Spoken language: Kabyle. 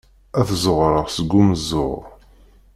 Ad t-zzuɣren seg umeẓẓuɣ.